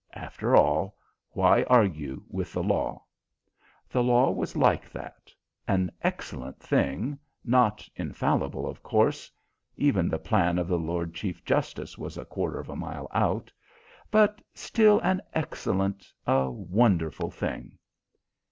After all, why argue with the law? The law was like that an excellent thing, not infallible, of course (even the plan of the Lord Chief justice was a quarter of a mile out), but still an excellent, a wonderful thing.